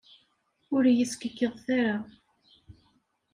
Ur iyi-skikkiḍet ara!